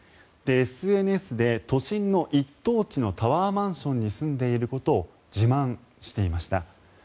ＳＮＳで都心の一等地のタワーマンションに住んでいることを自慢していました。